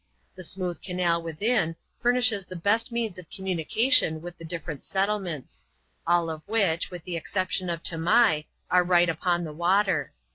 The smooth canal within furnishes the best means d communication with the different settlements; aJl of winch, with the exception of Tamai, are right upon the water.